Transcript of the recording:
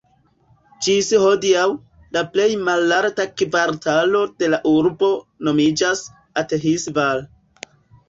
Ĝis hodiaŭ, la plej malalta kvartalo de la urbo nomiĝas "Athis-Val".